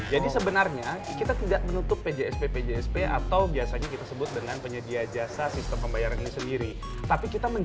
jadi sebenarnya kita tidak menutup pjsp pjsp atau biasanya kita sebut dengan penyedia jasa sistem